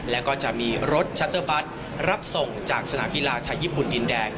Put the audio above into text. แล้วก็จะมีรถชัตเตอร์บัตรรับส่งจากสนามกีฬาไทยญี่ปุ่นดินแดง